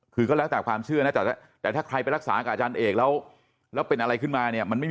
คือจ้า